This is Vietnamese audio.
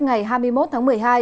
ngày hai mươi một tháng một mươi hai